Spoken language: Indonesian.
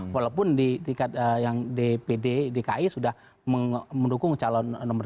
walaupun yang dpi sudah mendukung calon nomor tiga